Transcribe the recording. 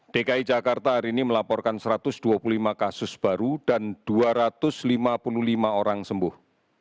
dki jakarta hari ini melaporkan satu ratus dua puluh lima kasus baru dan dua ratus lima puluh lima orang sembuh